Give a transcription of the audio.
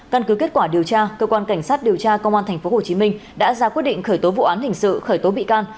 căn cứ kết quả điều tra cơ quan cảnh sát điều tra công an tp hcm đã ra quyết định khởi tố vụ án hình sự khởi tố bị can